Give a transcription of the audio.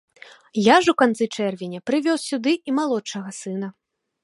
Я ж у канцы чэрвеня прывёз сюды і малодшага сына.